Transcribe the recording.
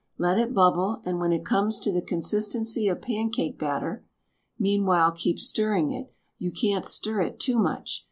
Let it bubble and when it comes to the consistency of pancake batter (meanwhile keep stirring it — you can't stir it too much!)